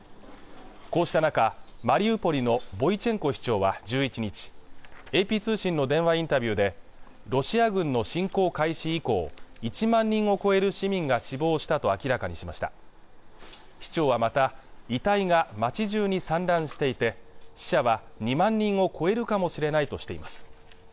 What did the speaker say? こうした中マリウポリのボイチェンコ市長は１１日ＡＰ通信の電話インタビューでロシア軍の侵攻開始以降１万人を超える市民が死亡したと明らかにしました市長はまた遺体が街じゅうに散乱していて死者は２万人を超えるかもしれないとしています